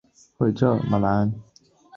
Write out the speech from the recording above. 康皮尼昂。